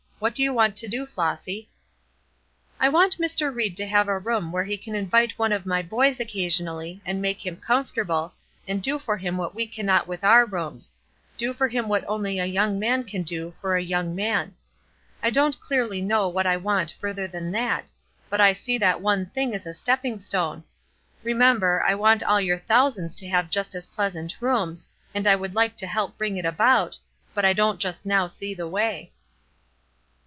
What do you want to do, Flossy?" "I want Mr. Ried to have a room where he can invite one of my boys occasionally, and make him comfortable, and do for him what we cannot with our rooms; do for him what only a young man can do for a young man. I don't clearly know what I want further than that, but I see that one thing as a stepping stone. Remember, I want all your thousands to have just as pleasant rooms, and I would like to help to bring it about, but I don't just now see the way."